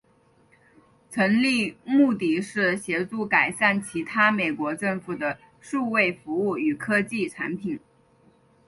成立目的是协助改善其他美国政府的数位服务与科技产品。